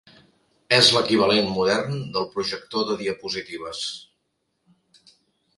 És l'equivalent modern del projector de diapositives.